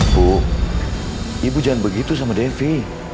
bu ibu jangan begitu sama devi